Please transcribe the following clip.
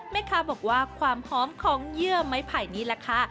แม่ค้าบอกว่าความหอมของเยื่อไม้ไผ่นี่แหละค่ะ